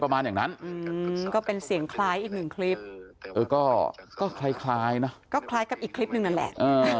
ประมาณอย่างนั้นก็เป็นเสียงคล้ายอีก๑คลิปก็คล้ายกับอีกคลิปนึงนั่นแหละ